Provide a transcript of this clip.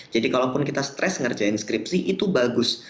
jadi kalaupun kita stres ngerjain skripsi itu bagus